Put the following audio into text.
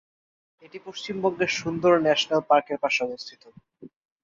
এটি পশ্চিমবঙ্গের সুন্দরবন ন্যাশনাল পার্কের পাশে অবস্থিত।